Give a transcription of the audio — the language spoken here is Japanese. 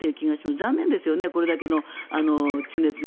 残念ですよねこれだけの地熱の。